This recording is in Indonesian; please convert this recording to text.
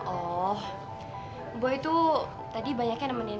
oh boy itu tadi banyaknya nemenin clara